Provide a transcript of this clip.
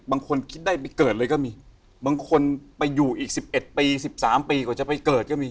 บางคนไปอยู่อีก๑๑ปี๑๓ปีกว่าจะไปเกิดก็มี